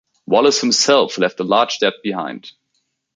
Wallis himself left a large debt behind.